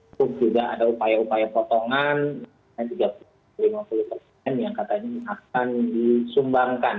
itu juga ada upaya upaya potongan yang katanya akan disumbangkan